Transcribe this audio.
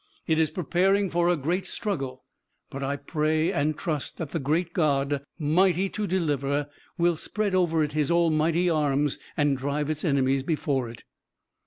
It is preparing for a great struggle, but I pray and trust that the great God, mighty to deliver, will spread over it His Almighty arms and drive its enemies before it.